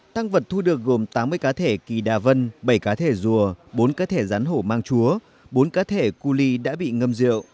tăng vật thu được gồm tám mươi cá thể kỳ đà vân bảy cá thể rùa bốn cá thể rán hổ mang chúa bốn cá thể cu ly đã bị ngâm rượu